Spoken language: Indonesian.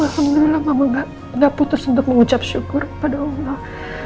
alhamdulillah mama gak putus untuk mengucap syukur pada allah